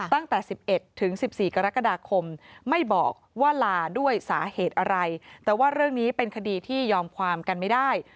ตั้งแต่๑๑ถึง๑๔กรกฎาคมไม่บอกว่าลาด้วยสาเหตุอะไรแต่ว่าเรื่องนี้เป็นคดีที่ยอมความกันไม่ได้